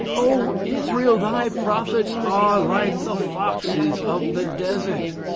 'O Israel, thy prophets are like the foxes of the desert.'